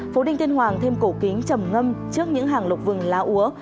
phố đinh tiên hoàng thêm cổ kính trầm ngâm trước những hàng lục vừng lá úa